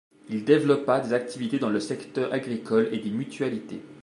Il développa des activités dans le secteur agricole et des mutualités.